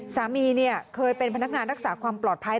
สามีเคยเป็นพนักงานรักษาความปลอดภัย